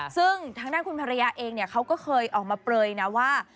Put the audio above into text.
ซึ่งทางด้านคุณภรรยาเองเขาก็เคยออกมาเปลยนะว่า